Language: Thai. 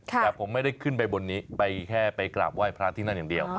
แต่ผมไม่ได้ขึ้นไปบนนี้ไปแค่ไปกราบไหว้พระที่นั่นอย่างเดียว